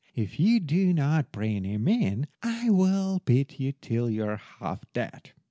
If you do not bring him in I will beat you till you are half dead."